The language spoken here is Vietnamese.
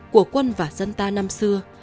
của quân và dân ta năm xưa